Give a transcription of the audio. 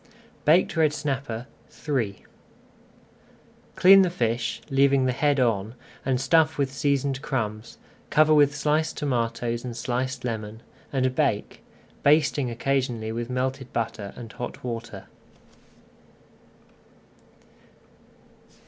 BAKED RED SNAPPER III Clean the fish, leaving the head on, and stuff with seasoned crumbs, cover with sliced tomatoes and sliced lemon, and bake, basting occasionally with melted butter and hot water.